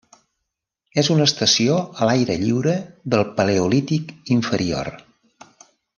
És una estació a l'aire lliure del Paleolític inferior.